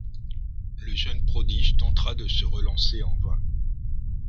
Le jeune prodige tentera de se relancer en vain.